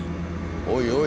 おいおい！